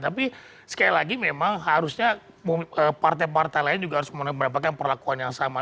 tapi sekali lagi memang harusnya partai partai lain juga harus mendapatkan perlakuan yang sama